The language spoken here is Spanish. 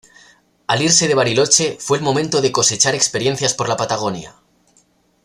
Al irse de Bariloche fue el momento de cosechar experiencias por la Patagonia.